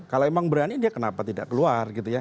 kalau emang berani dia kenapa tidak keluar gitu ya